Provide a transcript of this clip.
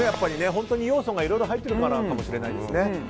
本当に要素がいろいろ入っているからかもしれないですね。